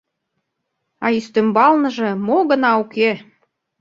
А ӱстембалныже мо гына уке!